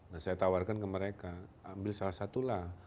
nah saya tawarkan ke mereka ambil salah satulah